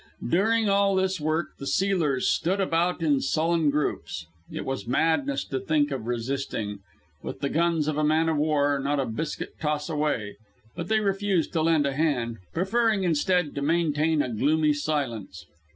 During all this work the sealers stood about in sullen groups. It was madness to think of resisting, with the guns of a man of war not a biscuit toss away; but they refused to lend a hand, preferring instead to maintain a gloomy silence.